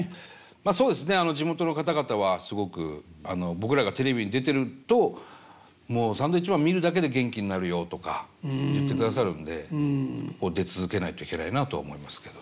まあそうですね地元の方々はすごく僕らがテレビに出てるともうサンドウィッチマン見るだけで元気になるよとか言ってくださるんで出続けないといけないなとは思いますけど。